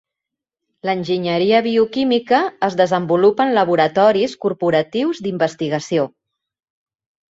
L'enginyeria bioquímica es desenvolupa en laboratoris corporatius d'investigació.